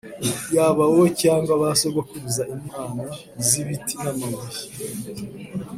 yaba wowe cyangwa ba sokuruza, imana z’ibiti n’amabuye